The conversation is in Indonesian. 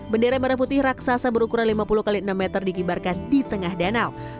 bendera merah putih raksasa berukuran lima puluh x enam meter dikibarkan di tengah danau